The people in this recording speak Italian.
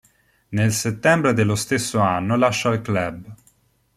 Nel settembre dello stesso anno lascia il club.